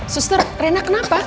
suster rena kenapa